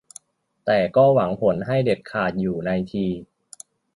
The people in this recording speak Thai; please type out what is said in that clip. แต่ก็หวังผลให้เด็ดขาดอยู่ในที